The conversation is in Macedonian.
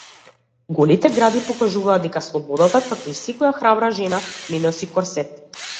Голите гради покажуваат дека слободата, како и секоја храбра жена, не носи корсет.